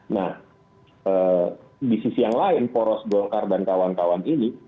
nah di sisi yang lain poros golkar dan kawan kawan ini